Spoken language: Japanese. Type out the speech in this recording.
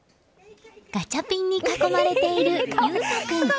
ガチャピンに囲まれている悠翔君。